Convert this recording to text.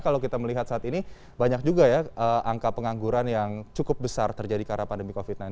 kalau kita melihat saat ini banyak juga ya angka pengangguran yang cukup besar terjadi karena pandemi covid sembilan belas